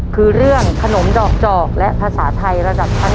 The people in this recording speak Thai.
คือเรื่องขนมดอกจอกและภาษาไทยระดับชั้น